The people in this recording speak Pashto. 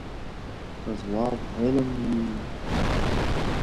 که ځواب علم وي.